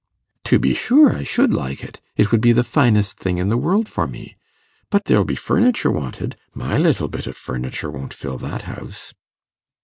'To be sure I should like it; it would be the finest thing in the world for me. But there'll be furniture wanted. My little bit of furniture won't fill that house.